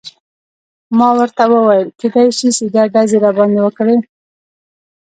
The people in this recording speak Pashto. ما ورته وویل: کیدای شي سیده ډزې راباندې وکړي.